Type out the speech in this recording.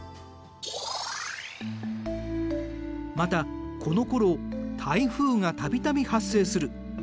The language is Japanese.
またこのころ台風が度々発生する。